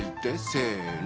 せの。